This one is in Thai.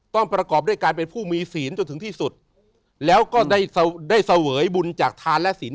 ประกอบด้วยการเป็นผู้มีศีลจนถึงที่สุดแล้วก็ได้ได้เสวยบุญจากทานและศีล